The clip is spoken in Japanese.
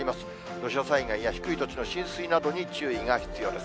土砂災害や低い土地の浸水などに注意が必要です。